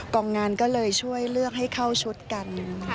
กองงานก็เลยช่วยเลือกให้เข้าชุดกัน